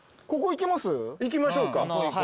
行きましょうか。